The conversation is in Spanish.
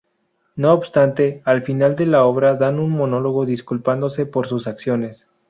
No obstante, al final de la obra da un monólogo disculpándose por sus acciones.